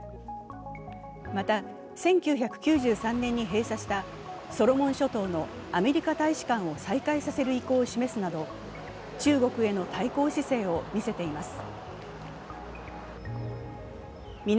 また、１９９３年に閉鎖したソロモン諸島のアメリカ大使館を再開させる意向を示すなど中国への対抗姿勢を見せています。